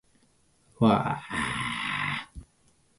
わあああああああ